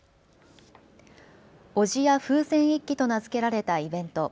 おぢや風船一揆と名付けられたイベント。